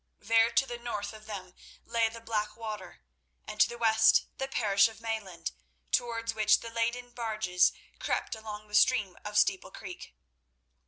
There to the north of them lay the Blackwater, and to the west the parish of Mayland, towards which the laden barges crept along the stream of Steeple Creek.